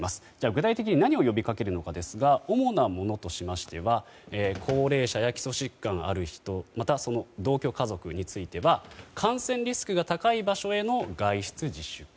具体的に何を呼びかけるのかですが主なものとしましては高齢者や基礎疾患がある人またその同居家族については感染リスクが高い場所への外出自粛。